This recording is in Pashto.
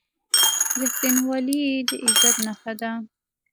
• رښتینولي د عزت نښه ده.